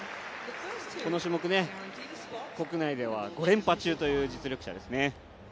この種目、国内では５連覇中という実力者ですね。